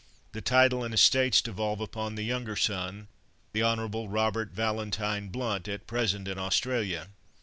The title and estates devolve upon the younger son, the Honourable Robert Valentine Blount, at present in Australia."